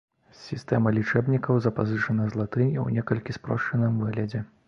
Сістэма лічэбнікаў запазычана з латыні ў некалькі спрошчаным выглядзе.